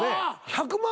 １００万